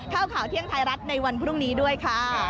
ข่าวเที่ยงไทยรัฐในวันพรุ่งนี้ด้วยค่ะ